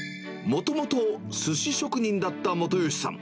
もともとすし職人だった元好さん。